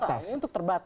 ya dipaksa untuk terbatas